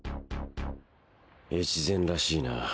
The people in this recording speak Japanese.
越前らしいな。